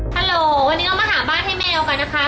ฮัลโหลวันนี้เรามาหาบ้านให้แมวก่อนนะคะ